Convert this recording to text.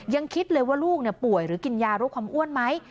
ยังคิดเลยว่าลูกป่วยหรือกินยาโรคความอ้วนไหม